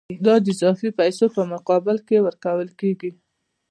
دا د اضافي پیسو په مقابل کې ورکول کېږي